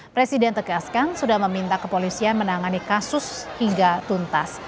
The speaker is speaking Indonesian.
presiden tegaskan sudah meminta kepolisian menangani kasus hingga tuntas